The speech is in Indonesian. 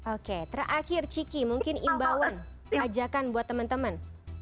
oke terakhir ciki mungkin imbauan ajakan buat teman teman